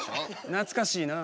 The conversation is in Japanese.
懐かしいなあ。